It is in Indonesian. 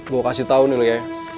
gue kasih tau nih lo ya